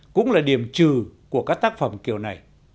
cũng là điểm trừ của các tác phẩm kiểu này